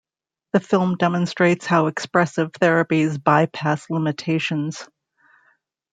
The film demonstrates how expressive therapies bypass limitations.